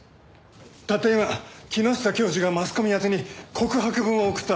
たった今木下教授がマスコミ宛てに告白文を送った。